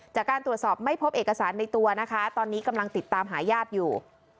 จากการตรวจสอบไม่พบเอกสารในตัวนะคะตอนนี้กำลังติดตามหาญาติอยู่